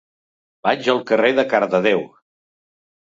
Vaig al carrer de Cardedeu.